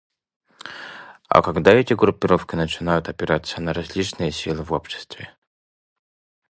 А когда эти группировки начинают опираться на различные силы в обществе?